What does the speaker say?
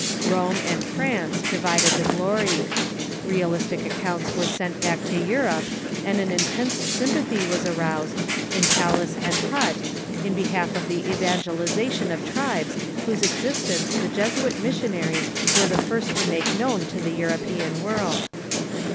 Rome and France divided the glory. Realistic accounts were sent back to Europe, and an intense sympathy was aroused, in palace and hut, in behalf of the evangelization of tribes whose existence the Jesuit missionaries were the first to make known t6 the European world.